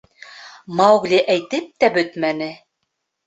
— Маугли әйтеп тә бөтмәне.